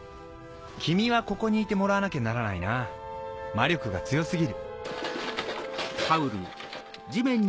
君はここにいてもらわなきゃならないな魔力が強過ぎる。